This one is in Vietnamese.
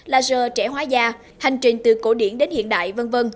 laser trẻ hóa da hành trình từ cổ điển đến hiện đại v v